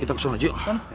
kita langsung aja